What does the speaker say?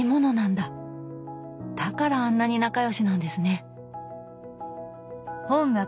だからあんなに仲良しなんですね。